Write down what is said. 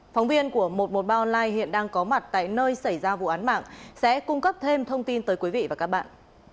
phóng viên của một trăm một mươi ba online hiện đang có mặt tại nơi xảy ra vụ án mạng sẽ cung cấp thêm thông tin tới quý vị và các bạn